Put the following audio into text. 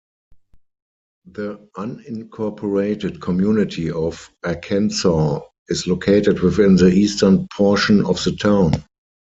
The unincorporated community of Arkansaw is located within the eastern portion of the town.